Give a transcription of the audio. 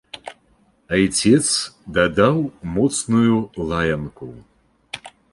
Айцец дадаў моцную лаянку.